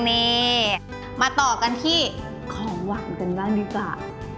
นี่มาต่อกันที่ของหวานกันบ้างดีกว่า